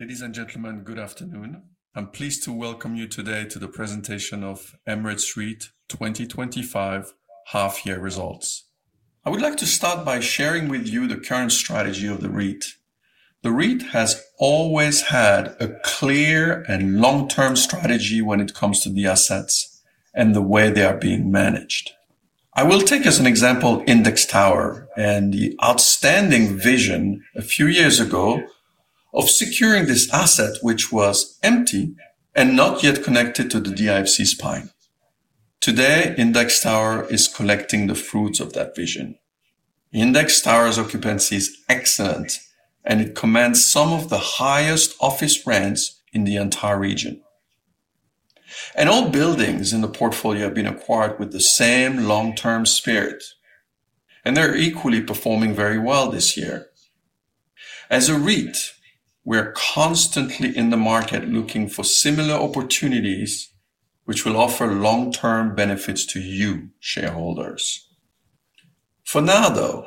Ladies and gentlemen, good afternoon. I'm pleased to welcome you today to the presentation of Emirates REIT 2025 Half-Year Results. I would like to start by sharing with you the current strategy of the REIT. The REIT has always had a clear and long-term strategy when it comes to the assets and the way they are being managed. I will take as an example Index Tower and the outstanding vision a few years ago of securing this asset, which was empty and not yet connected to the DIFC spine. Today, Index Tower is collecting the fruits of that vision. The Index Tower's occupancy is excellent, and it commands some of the highest office rents in the entire region. All buildings in the portfolio have been acquired with the same long-term spirit, and they're equally performing very well this year. As a REIT, we're constantly in the market looking for similar opportunities which will offer long-term benefits to you, shareholders. For now, though,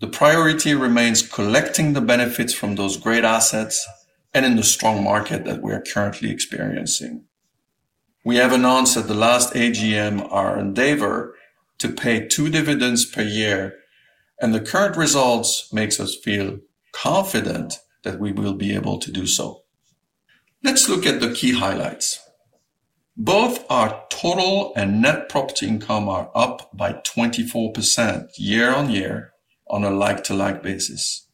the priority remains collecting the benefits from those great assets and in the strong market that we are currently experiencing. We have announced at the last AGM our endeavor to pay two dividends per year, and the current results make us feel confident that we will be able to do so. Let's look at the key highlights. Both our total and net property income are up by 24% year on year on a like-for-like basis.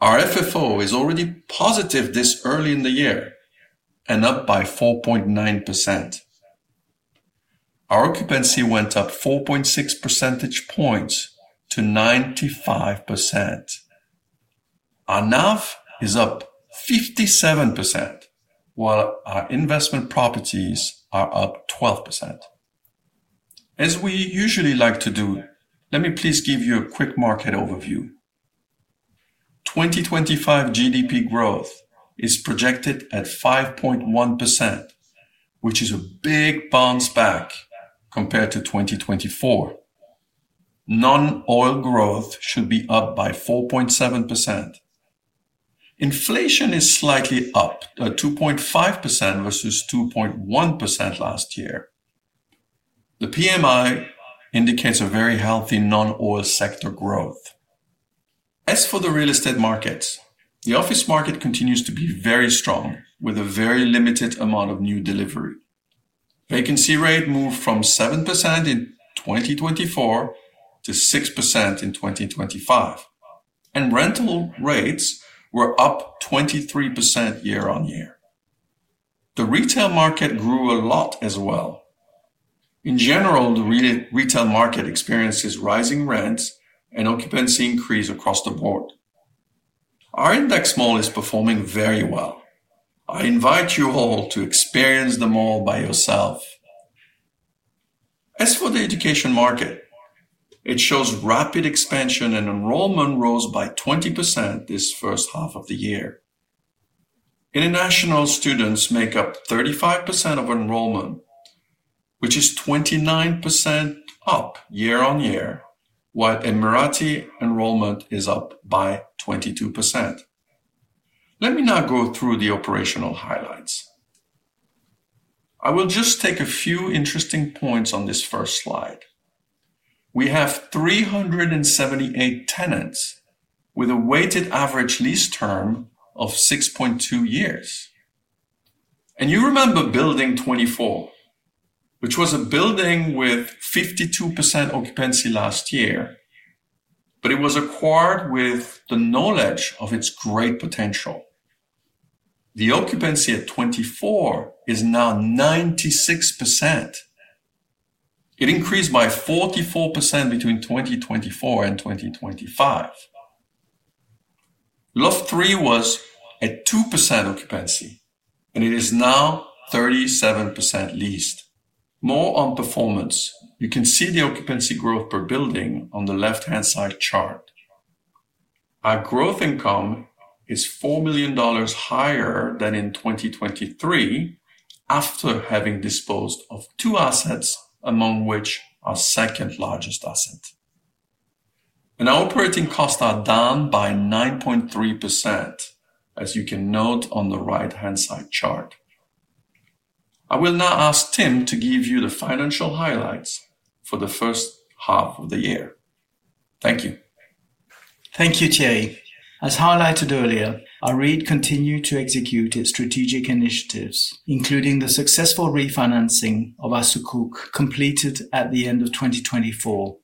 Our FFO is already positive this early in the year and up by 4.9%. Our occupancy went up 4.6 percentage points to 95%. Our NAV is up 57%, while our investment properties are up 12%. As we usually like to do, let me please give you a quick market overview. 2025 GDP growth is projected at 5.1%, which is a big bounce back compared to 2024. Non-oil growth should be up by 4.7%. Inflation is slightly up at 2.5% versus 2.1% last year. The PMI indicates a very healthy non-oil sector growth. As for the real estate markets, the office market continues to be very strong with a very limited amount of new delivery. Vacancy rate moved from 7% in 2024 to 6% in 2025, and rental rates were up 23% year-on-year. The retail market grew a lot as well. In general, the retail market experiences rising rents and occupancy increase across the board. Our Index Mall is performing very well. I invite you all to experience the mall by yourself. As for the education market, it shows rapid expansion and enrollment rose by 20% this first half of the year. International students make up 35% of enrollment, which is 29% up year-on-year, while Emirati enrollment is up by 22%. Let me now go through the operational highlights. I will just take a few interesting points on this first slide. We have 378 tenants with a weighted average lease term of 6.2 years. You remember Building 24, which was a building with 52% occupancy last year, but it was acquired with the knowledge of its great potential. The occupancy at 24 is now 96%. It increased by 44% between 2024 and 2025. Lot 3 was at 2% occupancy, and it is now 37% leased. More on performance. You can see the occupancy growth per building on the left-hand side chart. Our gross income is $4 million higher than in 2023 after having disposed of two assets, among which our second largest asset. Our operating costs are down by 9.3%, as you can note on the right-hand side chart. I will now ask Tim to give you the financial highlights for the first half of the year. Thank you. Thank you, Thierry. As highlighted earlier, our REIT continued to execute its strategic initiatives, including the successful refinancing of our Sukuk completed at the end of 2024.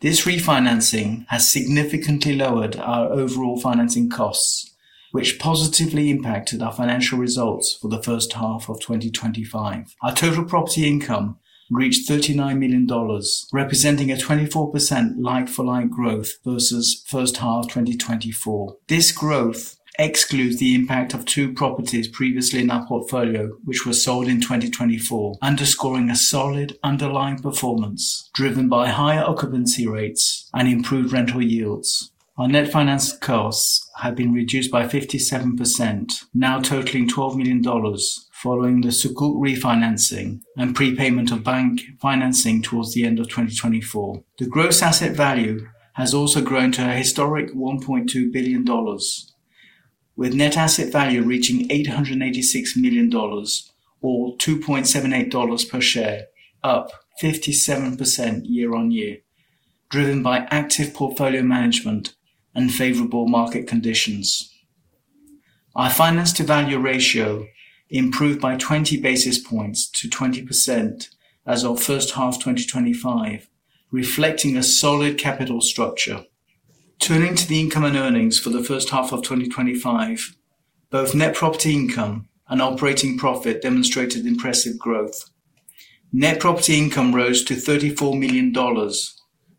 This refinancing has significantly lowered our overall financing costs, which positively impacted our Financial Results for the First Half of 2025. Our total property income reached $39 million, representing a 24% like-for-like growth versus first half 2024. This growth excludes the impact of two properties previously in our portfolio, which were sold in 2024, underscoring a solid underlying performance driven by higher occupancy rates and improved rental yields. Our net finance costs have been reduced by 57%, now totaling $12 million following the Sukuk refinancing and prepayment of bank financing towards the end of 2024. The gross asset value has also grown to a historic $1.2 billion, with net asset value reaching $886 million, or $2.78 per share, up 57% year-on-year, driven by active portfolio management and favorable market conditions. Our finance-to-value ratio improved by 20 basis points to 20% as of first half 2025, reflecting a solid capital structure. Turning to the income and earnings for the first half of 2025, both net property income and operating profit demonstrated impressive growth. Net property income rose to $34 million,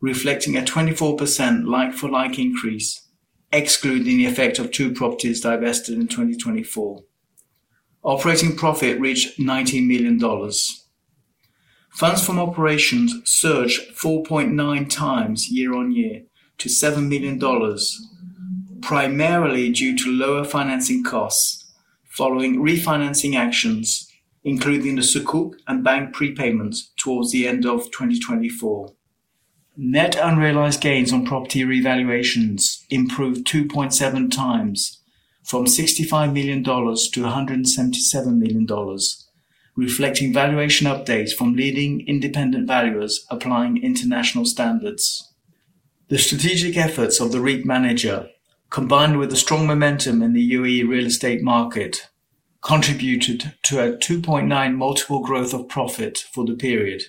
reflecting a 24% like-for-like increase, excluding the effect of two properties divested in 2024. Operating profit reached $19 million. Funds from operations surged 4.9x year-on-year to $7 million, primarily due to lower financing costs following refinancing actions, including the Sukuk and bank prepayments towards the end of 2024. Net unrealized gains on property revaluations improved 2.7x, from $65 million to $177 million, reflecting valuation updates from leading independent valuers applying international standards. The strategic efforts of the REIT manager, combined with the strong momentum in the UAE real estate market, contributed to a 2.9 multiple growth of profit for the period,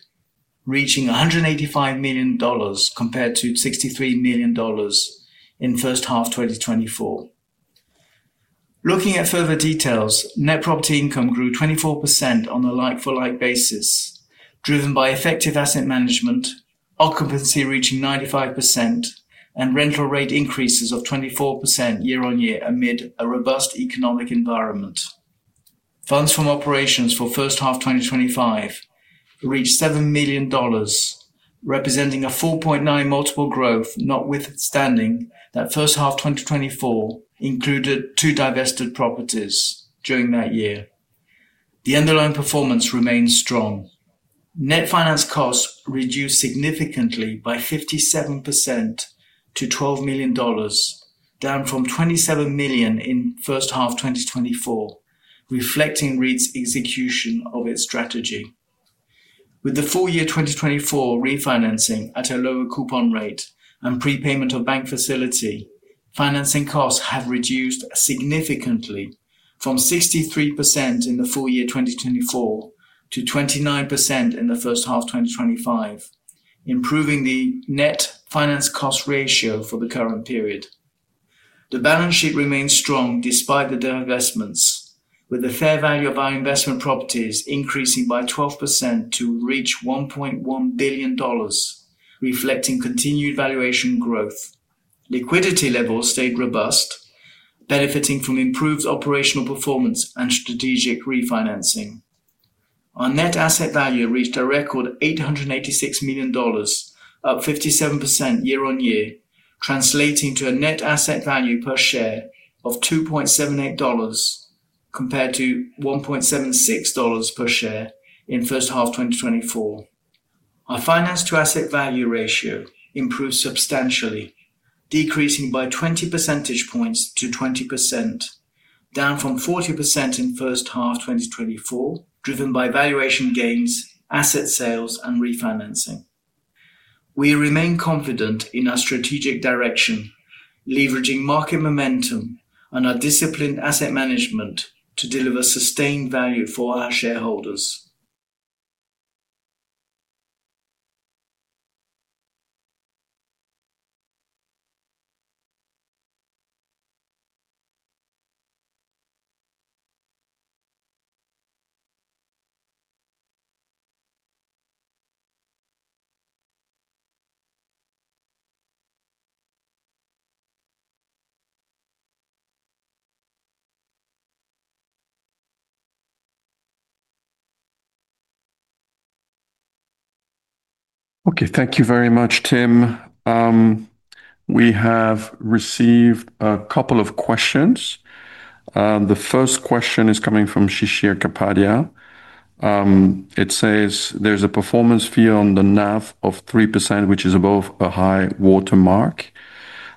reaching $185 million compared to $63 million in first half 2024. Looking at further details, net property income grew 24% on a like-for-like basis, driven by effective asset management, occupancy reaching 95%, and rental rate increases of 24% year-on-year amid a robust economic environment. Funds from operations for first half 2025 reached $7 million, representing a 4.9x multiple growth, notwithstanding that first half 2024 included two divested properties during that year. The underlying performance remains strong. Net finance costs reduced significantly by 57% to $12 million, down from $27 million in first half 2024, reflecting Emirates REIT's execution of its strategy. With the full-year 2024 refinancing at a lower coupon rate and prepayment of bank facility, financing costs have reduced significantly from 63% in the full-year 2024 to 29% in the first half 2025, improving the net finance cost ratio for the current period. The balance sheet remains strong despite the divestments, with the fair value of our investment properties increasing by 12% to reach $1.1 billion, reflecting continued valuation growth. Liquidity levels stayed robust, benefiting from improved operational performance and strategic refinancing. Our net asset value reached a record $886 million, up 57% year-on-year, translating to a net asset value per share of $2.78 compared to $1.76 per share in first half 2024. Our finance-to-asset value ratio improved substantially, decreasing by 20 percentage points to 20%, down from 40% in first half 2024, driven by valuation gains, asset sales, and refinancing. We remain confident in our strategic direction, leveraging market momentum and our disciplined asset management to deliver sustained value for our shareholders. Okay, thank you very much, Tim. We have received a couple of questions. The first question is coming from Shikha Kapadia. It says there's a performance fee on the NAV of 3%, which is above a high watermark.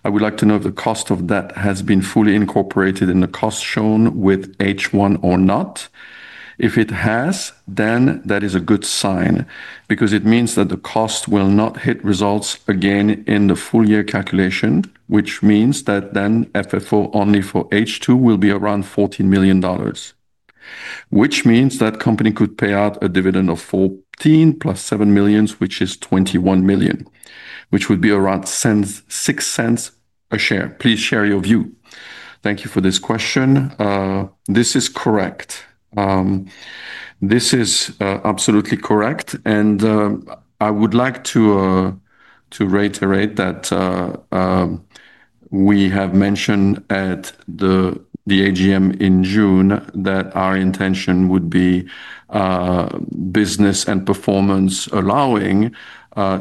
I would like to know if the cost of that has been fully incorporated in the cost shown with H1 or not. If it has, then that is a good sign because it means that the cost will not hit results again in the full-year calculation, which means that then FFO only for H2 will be around $14 million, which means that the company could pay out a dividend of $14 million + $7 million, which is $21 million, which would be around $0.06 a share. Please share your view. Thank you for this question. This is correct. This is absolutely correct. I would like to reiterate that we have mentioned at the AGM in June that our intention would be, business and performance allowing,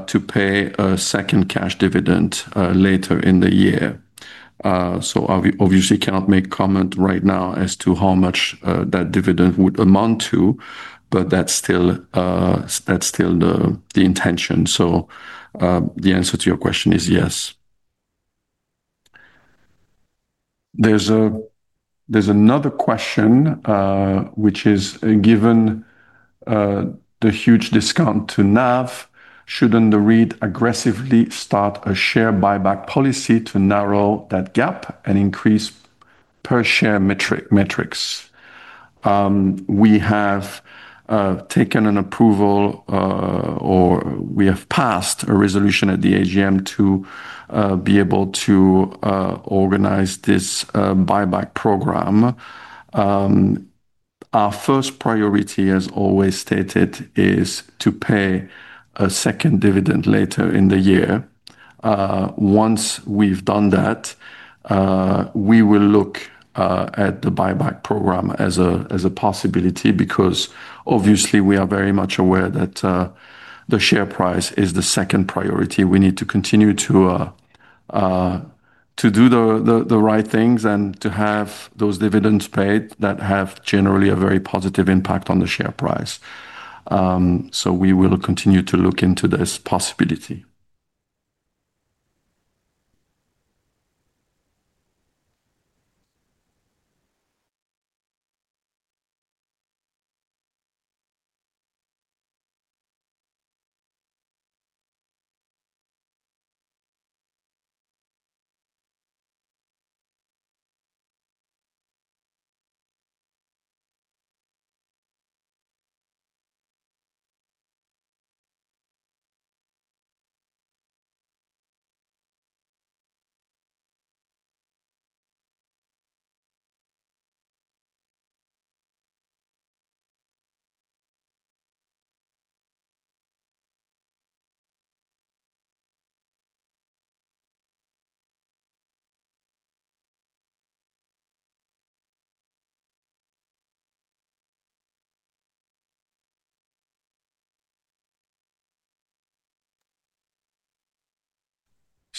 to pay a second cash dividend later in the year. I obviously cannot make comment right now as to how much that dividend would amount to, but that's still the intention. The answer to your question is yes. There's another question, which is, given the huge discount to NAV, shouldn't the REIT aggressively start a share buyback policy to narrow that gap and increase per share metrics? We have taken an approval, or we have passed a resolution at the AGM to be able to organize this buyback program. Our first priority, as always stated, is to pay a second dividend later in the year. Once we've done that, we will look at the buyback program as a possibility because obviously we are very much aware that the share price is the second priority. We need to continue to do the right things and to have those dividends paid that have generally a very positive impact on the share price. We will continue to look into this possibility.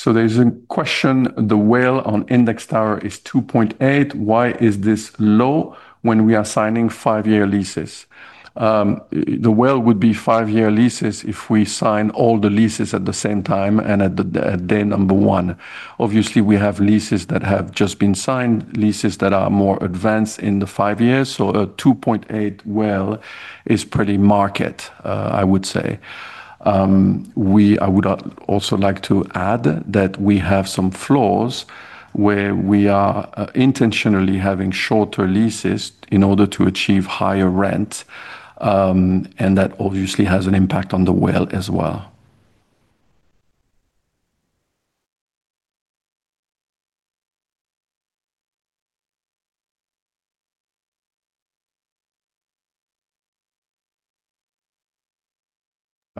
There's a question, the WALE on Index Tower is 2.8. Why is this low when we are signing five-year leases? The WALE would be five-year leases if we sign all the leases at the same time and at day number one. Obviously, we have leases that have just been signed, leases that are more advanced in the five years. A 2.8 WALE is pretty market, I would say. I would also like to add that we have some floors where we are intentionally having shorter leases in order to achieve higher rent, and that obviously has an impact on the WALE as well.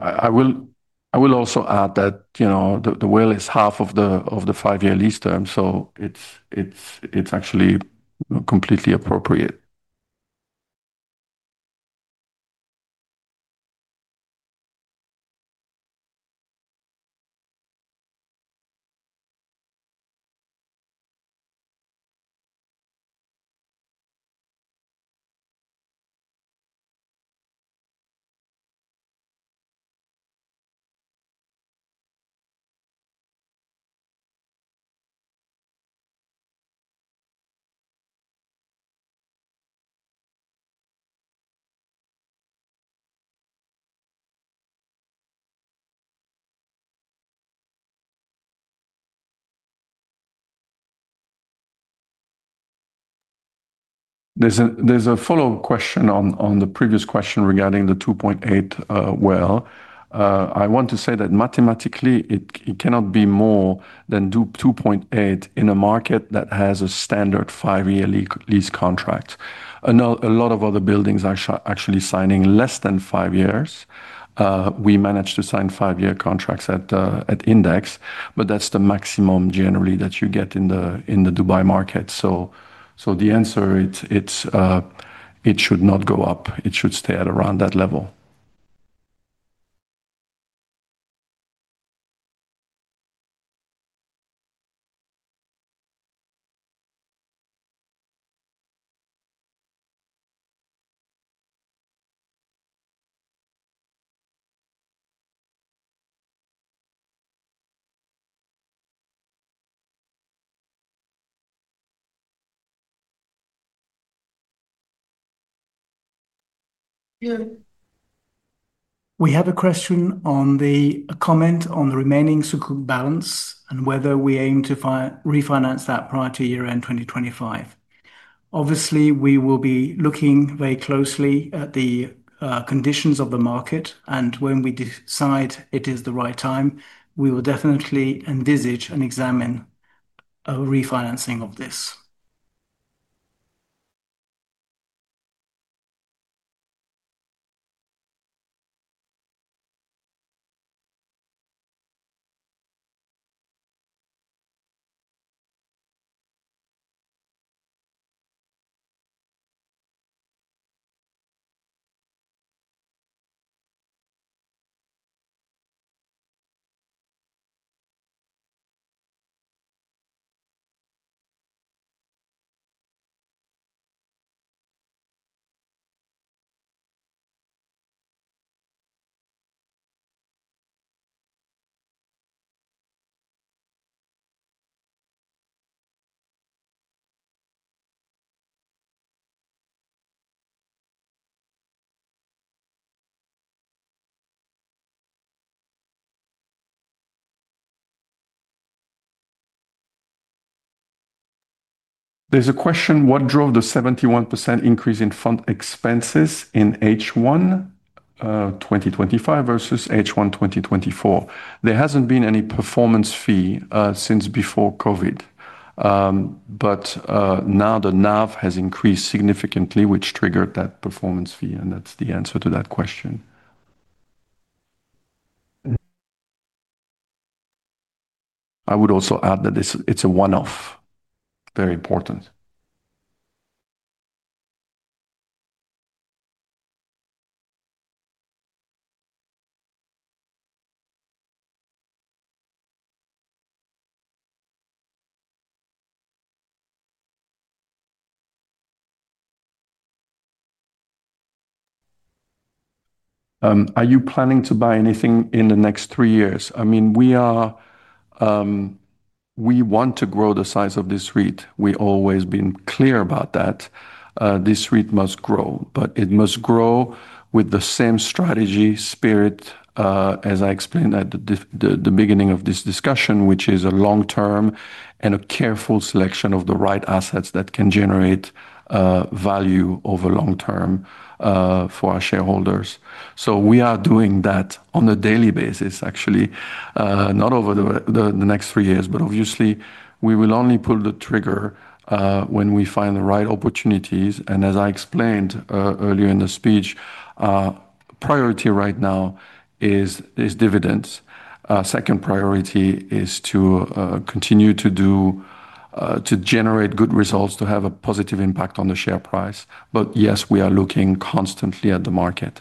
I will also add that, you know, the WALE is half of the five-year lease term, so it's actually completely appropriate. There's a follow-up question on the previous question regarding the 2.8 WALE. I want to say that mathematically, it cannot be more than 2.8 in a market that has a standard five-year lease contract. A lot of other buildings are actually signing less than five years. We managed to sign five-year contracts at Index, but that's the maximum generally that you get in the Dubai market. The answer, it should not go up. It should stay at around that level. We have a question on the comment on the remaining Sukuk balance and whether we aim to refinance that prior to year-end 2025. Obviously, we will be looking very closely at the conditions of the market, and when we decide it is the right time, we will definitely envisage and examine a refinancing of this. There's a question, what drove the 71% increase in fund expenses in H1 2025 versus H1 2024? There hasn't been any performance fee since before COVID, but now the NAV has increased significantly, which triggered that performance fee, and that's the answer to that question. I would also add that it's a one-off. Very important. Are you planning to buy anything in the next three years? I mean, we want to grow the size of this REIT. We've always been clear about that. This REIT must grow, but it must grow with the same strategy spirit, as I explained at the beginning of this discussion, which is a long-term and a careful selection of the right assets that can generate value over the long term for our shareholders. We are doing that on a daily basis, actually, not over the next three years, obviously, we will only pull the trigger when we find the right opportunities. As I explained earlier in the speech, priority right now is dividends. Second priority is to continue to generate good results, to have a positive impact on the share price. Yes, we are looking constantly at the market.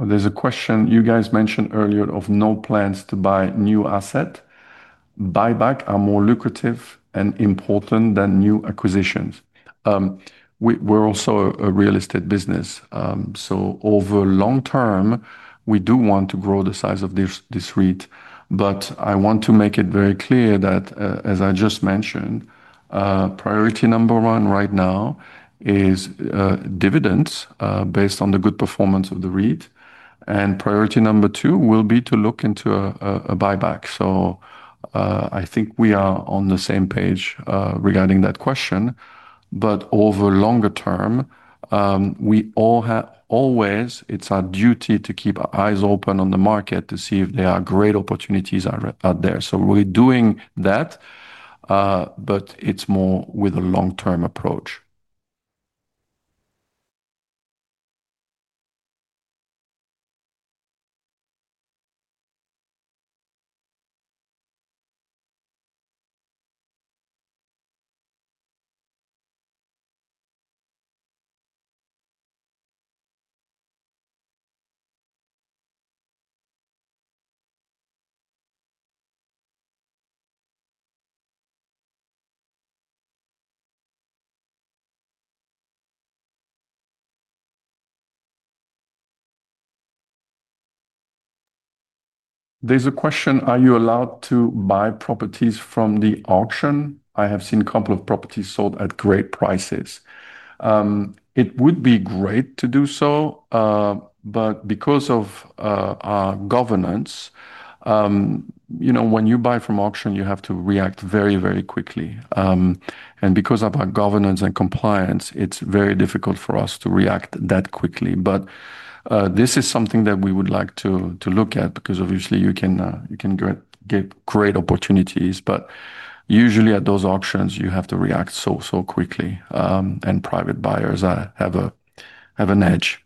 There's a question you guys mentioned earlier of no plans to buy new assets. Buybacks are more lucrative and important than new acquisitions. We're also a real estate business. Over the long term, we do want to grow the size of this REIT, but I want to make it very clear that, as I just mentioned, priority number one right now is dividends based on the good performance of the REIT. Priority number two will be to look into a buyback. I think we are on the same page regarding that question. Over the longer term, we all have always, it's our duty to keep our eyes open on the market to see if there are great opportunities out there. We're doing that, but it's more with a long-term approach. There's a question, are you allowed to buy properties from the auction? I have seen a couple of properties sold at great prices. It would be great to do so, but because of our governance, you know, when you buy from auction, you have to react very, very quickly. Because of our governance and compliance, it's very difficult for us to react that quickly. This is something that we would like to look at because obviously you can get great opportunities, but usually at those auctions, you have to react so, so quickly. Private buyers have an edge.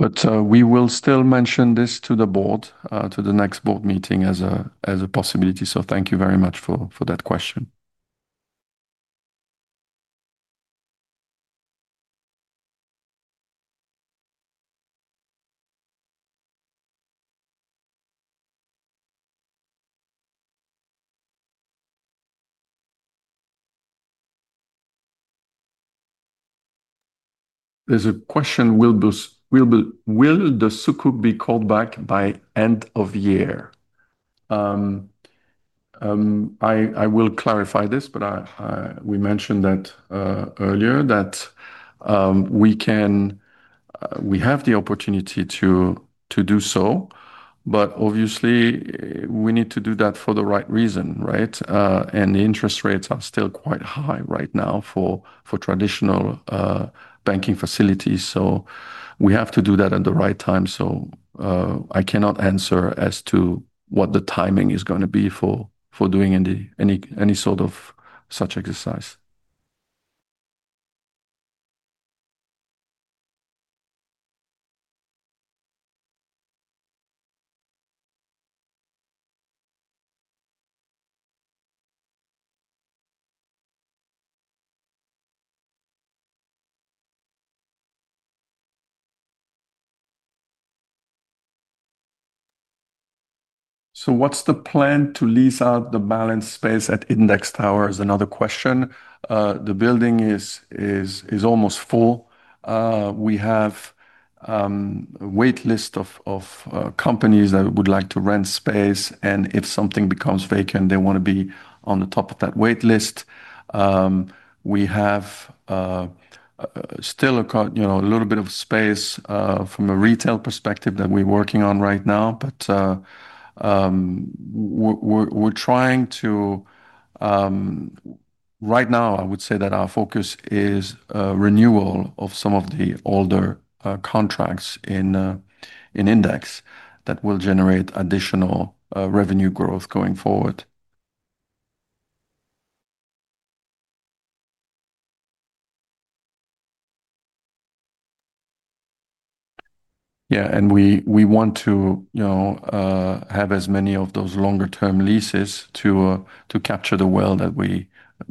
We will still mention this to the board, to the next board meeting as a possibility. Thank you very much for that question. There's a question, will the Sukuk be called back by end of year? I will clarify this, but we mentioned that earlier that we have the opportunity to do so, but obviously we need to do that for the right reason, right? The interest rates are still quite high right now for traditional banking facilities. We have to do that at the right time. I cannot answer as to what the timing is going to be for doing any sort of such exercise. What's the plan to lease out the balance space at Index Tower? That's another question. The building is almost full. We have a waitlist of companies that would like to rent space, and if something becomes vacant, they want to be on the top of that waitlist. We have still a little bit of space from a retail perspective that we're working on right now, but we're trying to, right now, I would say that our focus is renewal of some of the older contracts in Index that will generate additional revenue growth going forward. We want to have as many of those longer-term leases to capture the WALE that we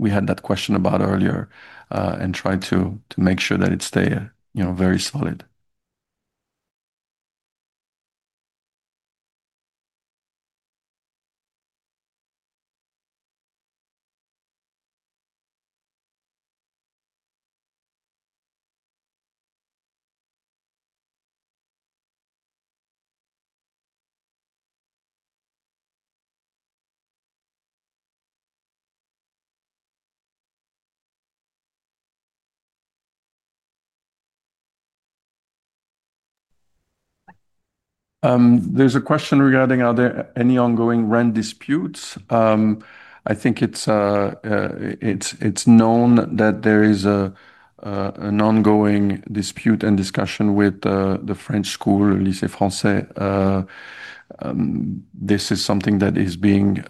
had that question about earlier and try to make sure that it stays very solid. There's a question regarding are there any ongoing rent disputes? I think it's known that there is an ongoing dispute and discussion with the French school, Lycée Français. This is something that is being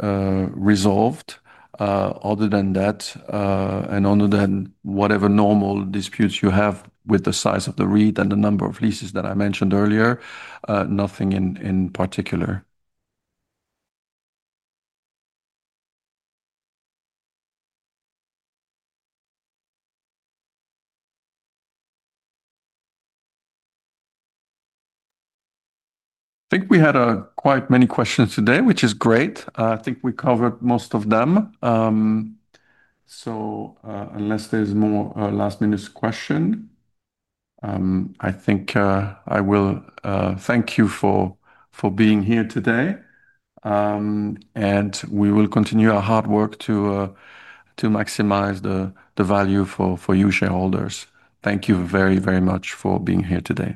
resolved. Other than that, and other than whatever normal disputes you have with the size of the REIT and the number of leases that I mentioned earlier, nothing in particular. I think we had quite many questions today, which is great. I think we covered most of them. Unless there's a more last-minute question, I think I will thank you for being here today, and we will continue our hard work to maximize the value for you, shareholders. Thank you very, very much for being here today.